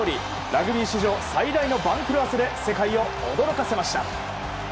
ラグビー史上最大の番狂わせで世界を驚かせました。